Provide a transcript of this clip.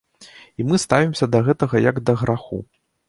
І мы ставімся да гэтага як да граху.